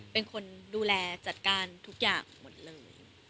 เป็นคนดูแลจัดการทุกอย่างหมดเลย